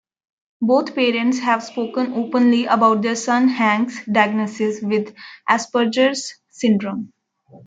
Both parents have spoken openly about their son Hank's diagnosis with Asperger's Syndrome.